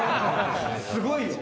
すごいよ！